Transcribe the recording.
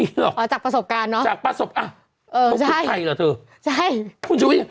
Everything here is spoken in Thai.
อ๋อเหรอฮะจากประสบการณ์เนอะเออใช่ใช่